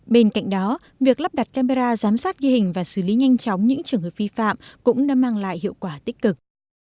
bên cạnh đó việc lắp đặt camera giám sát ghi hình và xử lý nhanh chóng những trường hợp vi phạm cũng đã mang lại hiệu quả tích cực